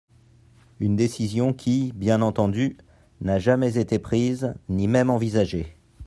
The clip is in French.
Une décision qui, bien entendu, n’a jamais été prise… ni même envisagée !